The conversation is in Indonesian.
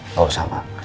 tidak usah ma